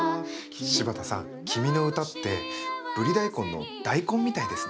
柴田さん君の歌ってブリ大根の大根みたいですね。